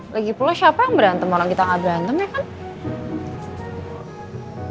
lagi pula siapa yang berantem orang kita gak berantem ya kan